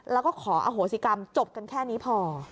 แล้วก็ขออโหสิกรรมจบกันแค่นี้พอ